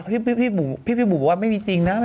แล้วพี่บุ๋มบอกว่าไม่ิ่งนะ